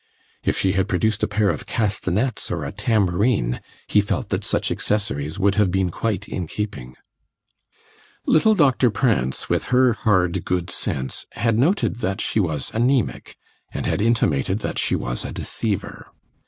If she had produced a pair of castanets or a tambourine, he felt that such accessories would have been quite in keeping. Little Doctor Prance, with her hard good sense, had noted that she was anæmic, and had intimated that she was a deceiver.